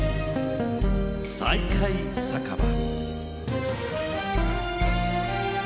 「再会酒場」。